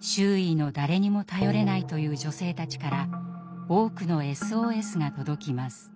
周囲の誰にも頼れないという女性たちから多くのＳＯＳが届きます。